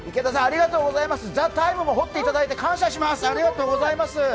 「ＴＨＥＴＩＭＥ，」も彫っていただいて感謝します。